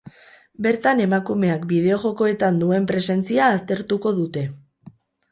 Bertan emakumeak bideojokoetan duen presentzia aztertuko dute.